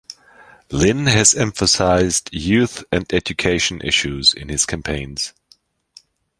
Lin has emphasized youth and education issues in his campaigns.